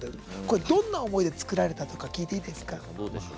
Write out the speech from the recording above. どんな思いで作られたのか聞いていいですか？